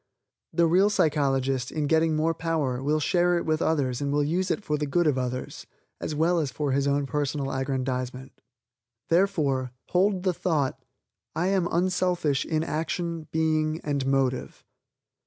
The real psychologist, in getting more power, will share it with others and will use it for the good of others, as well as for his own personal aggrandizement. Therefore hold the thought: "I am unselfish in action, being and motive."